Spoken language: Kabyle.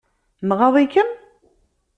Nɣaḍ-ikem?